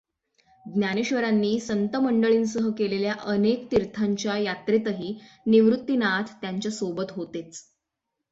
ज्ञानेश्वरांनी संतंमंडळींसह केलेल्या अनेक तीर्थांच्या यात्रेतही निवृत्तिनाथ त्यांच्या सोबत होतेच.